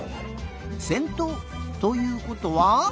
せんとうということは。